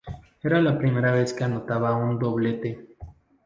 Era la primera vez que anotaba un doblete.